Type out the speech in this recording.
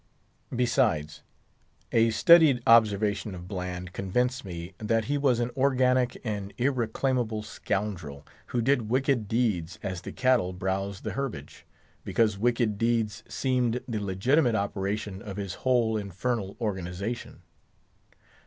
Besides, a studied observation of Bland convinced me that he was an organic and irreclaimable scoundrel, who did wicked deeds as the cattle browse the herbage, because wicked deeds seemed the legitimate operation of his whole infernal organisation.